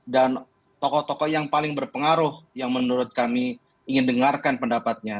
dan tokoh tokoh yang paling berpengaruh yang menurut kami ingin dengarkan pendapatnya